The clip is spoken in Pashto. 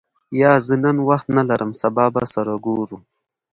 یا، زه نن وخت نه لرم سبا به سره ګورو.